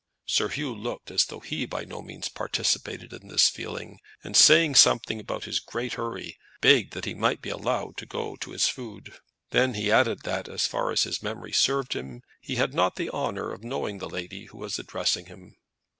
Sir Hugh looked as though he by no means participated in this feeling, and saying something about his great hurry begged that he might be allowed to go to his food. Then he added that, as far as his memory served him, he had not the honour of knowing the lady who was addressing him.